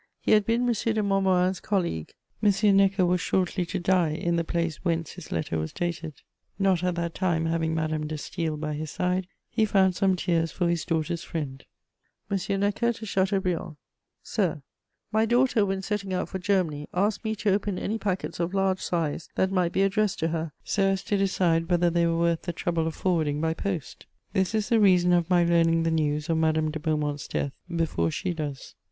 He had been M. de Montmorin's colleague. M. Necker was shortly to die at the place whence his letter was dated; not at that time having Madame de Staël by his side, he found some tears for his daughter's friend: [Sidenote: M. Necker, Madame de Staël.] M. NECKER TO CHATEAUBRIAND. "SIR, "My daughter, when setting out for Germany, asked me to open any packets of large size that might be addressed to her, so as to decide whether they were worth the trouble of forwarding by post. This is the reason of my learning the news of Madame de Beaumont's death before she does.